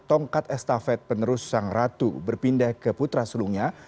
tongkat estafet penerus sang ratu berpindah ke putra sulungnya